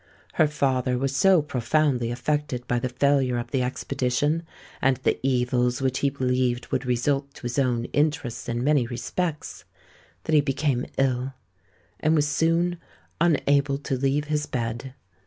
Her father was so profoundly affected by the failure of the expedition, and the evils which he believed would result to his own interests in many respects, that he became ill, and was soon unable to leave his bed.